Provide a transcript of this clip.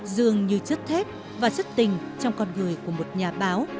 dường như chất thép và chất tình trong con người của một nhà báo